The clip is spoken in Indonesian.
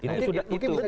itu sudah itu